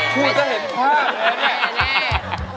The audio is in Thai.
คุณจะเห็นภาพเลย